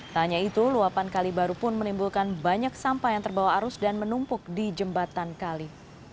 tak hanya itu luapan kali baru pun menimbulkan banyak sampah yang terbawa arus dan menumpuk di jembatan kali